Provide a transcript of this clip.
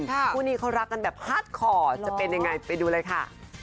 คู่นี้เขารักกันแบบฮาร์ดคอร์ดจะเป็นยังไงไปดูเลยค่ะ